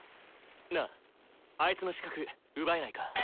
なああいつの視覚奪えないか？